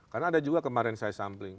karena ada juga kemarin saya sampling